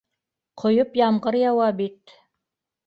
- Ҡойоп ямғыр яуа бит.